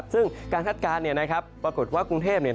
ซึ่งการคาดการณ์ปรากฏว่ากรุงเทพ